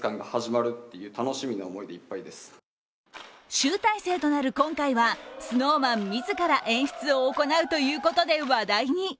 集大成となる今回は、ＳｎｏｗＭａｎ自ら演出を行うということで話題に。